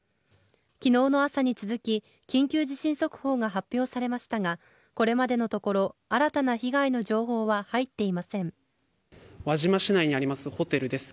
昨日の朝に続き緊急地震速報が発表されましたがこれまでのところ新たな被害の情報は輪島市内にあるホテルです。